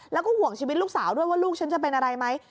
แล้วก็ห่วงชีวิตลูกสาวด้วยว่าลูกฉันจะเป็นอะไรไหม